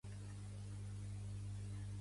Pertany al moviment independentista el Carles?